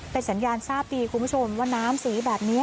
เป็นสัญญาณทราบดีคุณผู้ชมว่าน้ำสีแบบนี้